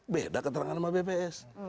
beda keterangan sama bps